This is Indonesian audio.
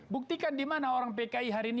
buktikan dimana orang pki hari ini